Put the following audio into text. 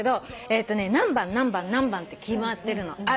何番何番何番って決まってるの。